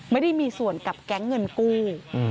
ไม่ได้มีส่วนกับแก๊งเงินกู้